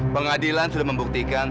pengadilan sudah membuktikan